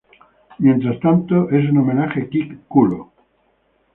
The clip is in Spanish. Mientras tanto, es un homenaje kick-culo.